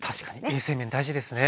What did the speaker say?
衛生面大事ですね。